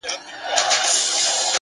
مهرباني د زړونو واټن ختموي,